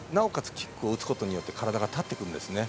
キックを打つことによって体が立ってくるんですね。